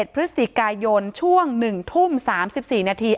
พฤศจิกายนช่วง๑ทุ่ม๓๔นาที